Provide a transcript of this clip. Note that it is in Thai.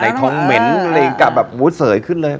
ในท้องเหม็นอะไรอย่างกับแบบวุดเสยขึ้นเลย